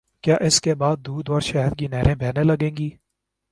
کیا اس کے بعد دودھ اور شہد کی نہریں بہنے لگیں گی؟